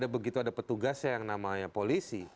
begitu ada petugasnya yang namanya polisi